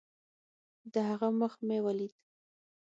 د هغه مخ مې وليد.